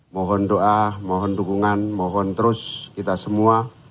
mohon doa mohon dukungan mohon terus kita semua